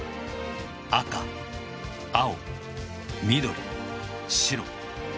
赤青緑白。